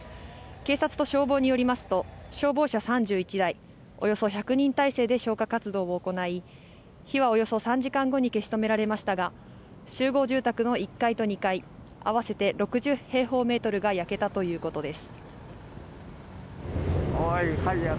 警察と消防によりますと、消防車３１台、およそ１００人態勢で消火活動を行い火はおよそ３時間後に消し止められましたが、集合住宅の１階と２階、合わせて６０平方メートルが焼けたということです。